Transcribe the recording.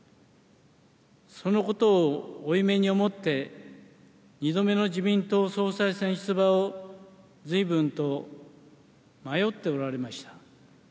そのことを負い目に思って、２度目の自民党総裁選出馬を、ずいぶんと迷っておられました。